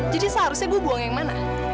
jadi seharusnya gue buang yang mana